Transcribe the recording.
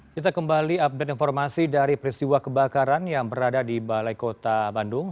kita kembali update informasi dari peristiwa kebakaran yang berada di balai kota bandung